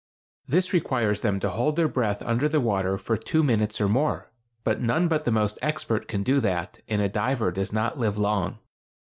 This requires them to hold their breath under the water for two minutes or more; but none but the most expert can do that, and a diver does not live long.